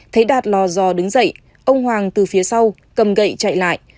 thấy đạt lò giò đứng dậy ông hoàng từ phía sau cầm gậy chạy lại